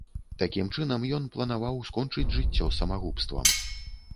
Такім чынам ён планаваў скончыць жыццё самагубствам.